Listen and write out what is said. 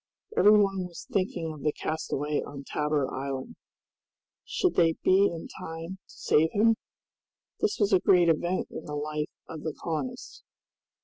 Every one was thinking of the castaway on Tabor Island. Should they be in time to save him? This was a great event in the life of the colonists!